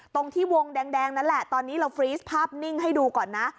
ตรงที่วงแดงนั่นแหละตอนนี้เราฟรีสภาพนิ่งให้ดูก่อนนะ